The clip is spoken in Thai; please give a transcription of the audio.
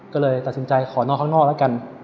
ก็เลยตัดสินใจขอนอนข้างนอกแล้วกัน